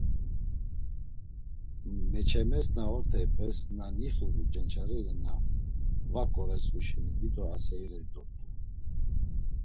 Meçemes na ort̆eypes, na nixiru cenç̌areri na var ǩoretsxu şeni dido aseirey dort̆u.